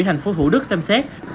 thành phố thủ đức xem xét